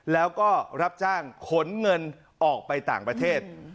แล้วก็รับจ้างขนเงินออกไปต่างประเทศ